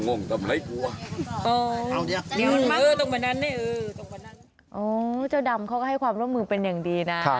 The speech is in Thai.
โอ้โหเจ้าดำเขาก็ให้ความร่วมมือเป็นอย่างดีนะ